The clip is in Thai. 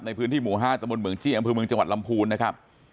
สมุนเมืองจี้อย่างพื้นเมืองจังหวัดลำพูนนะครับ